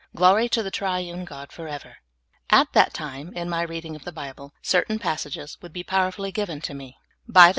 Glory to the Triune God forever ! At that time, in ni} reading of the Bible, cer tain passages would l)e powerfull} given to me by the 112 SOUL FOOD.